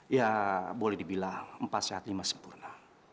ya boleh dibilang empat sehat lima sempurna